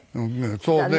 そうね。